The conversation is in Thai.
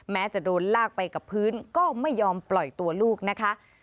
จะโดนลากไปกับพื้นก็ไม่ยอมปล่อยตัวลูกนะคะ